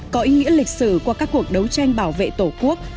có ý nghĩa lịch sử qua các cuộc đấu tranh bảo vệ tổ quốc